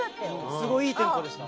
すごいいいテンポでした。